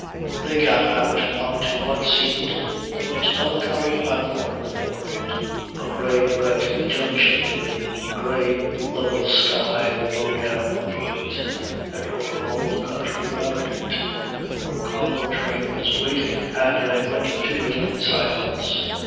They got out on to what seemed the most melancholy platform in the world, a grey wet junction with a grey level sky low down over it and over all the country round it. The Locarno train was waiting, and they went to it in silence.